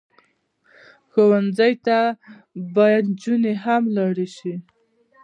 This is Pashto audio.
ښوونځی ته باید نجونې هم لاړې شي